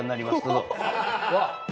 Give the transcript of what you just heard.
どうぞ。